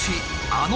あの